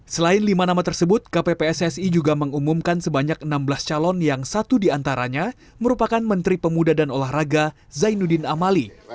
selain lima nama tersebut kppssi juga mengumumkan sebanyak enam belas calon yang satu diantaranya merupakan menteri pemuda dan olahraga zainuddin amali